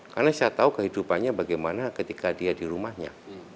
karena saya tahu kehidupannya bagaimana ketika dia di rumahnya